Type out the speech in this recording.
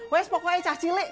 wes pokoknya cacilik